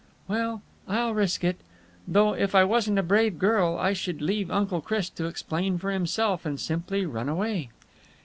"Well, I'll risk it. Though, if I wasn't a brave girl, I should leave Uncle Chris to explain for himself and simply run away."